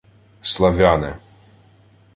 — Славяне.